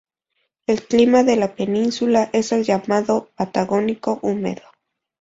El clima de la península es el llamado Patagónico húmedo.